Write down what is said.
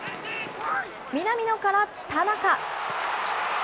南野から田中。